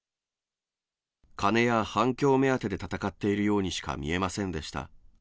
金や反響目当てで闘っているようにしか見えませんでした。